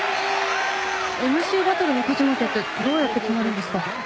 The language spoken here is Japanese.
ＭＣバトルの勝ち負けってどうやって決まるんですか？